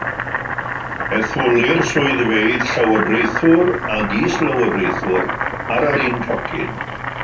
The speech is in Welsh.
Etholir swyddfeydd llywodraethwr ac is-lywodraethwr ar yr un tocyn.